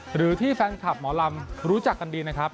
หรือที่แฟนคลับหมอลำรู้จักกันดีนะครับ